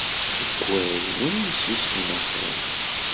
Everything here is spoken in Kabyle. Tikwal win yessusmen axir.